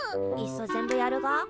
いっそ全部やるが？